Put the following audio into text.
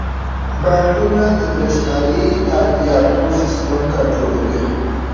بانکونه د بریښنايي تادیاتو سیستم کنټرولوي.